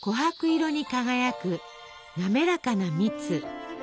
琥珀色に輝く滑らかな蜜。